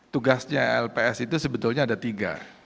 tugasnya lps itu sebetulnya ada tiga